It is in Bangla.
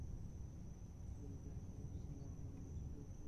প্রতিবেদনটি হাইকোর্টের দৃষ্টিতে আনেন সুপ্রিম কোর্টের একজন আইনজীবী।